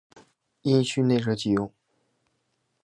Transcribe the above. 阴虚内热忌用。